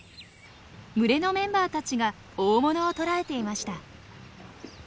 群れのメンバーたちが大物を捕らえていました。